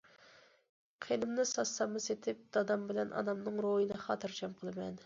قېنىمنى ساتساممۇ سېتىپ دادام بىلەن ئانامنىڭ روھىنى خاتىرجەم قىلىمەن.